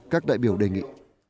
các đại biểu đề nghị